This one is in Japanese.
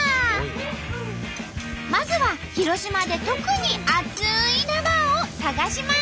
まずは広島で特に熱いＬｏｖｅｒを探します！